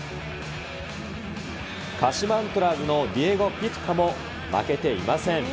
鹿島アントラーズのディエゴ・ピトゥカも負けていません。